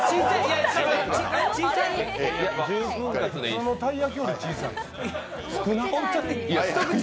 普通の鯛焼きより小さい。